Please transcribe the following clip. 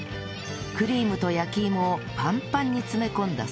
クリームと焼き芋をパンパンに詰め込んだ